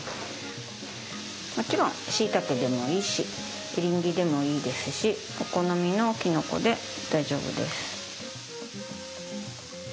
もちろんしいたけでもいいしエリンギでもいいですしお好みのきのこで大丈夫です。